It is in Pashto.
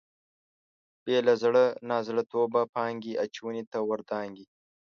بې له زړه نازړه توبه پانګې اچونې ته ور دانګي.